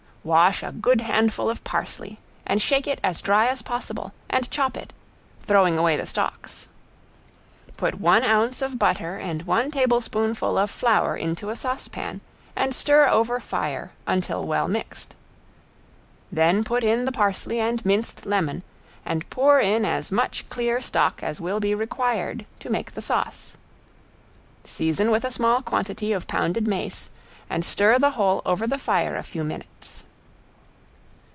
Wash a good handful of parsley, and shake it as dry as possible, and chop it, throwing away the stalks. Put one ounce of butter and one tablespoonful of flour into a saucepan, and stir over fire until well mixed. Then put in the parsley and minced lemon, and pour in as much clear stock as will be required to make the sauce. Season with a small quantity of pounded mace, and stir the whole over the fire a few minutes.